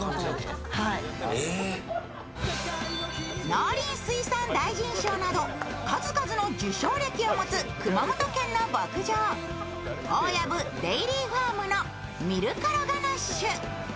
農林水産大臣賞など数々の受賞歴を持つ熊本県の牧場、オオヤブデイリーファームのミルコロガナッシュ。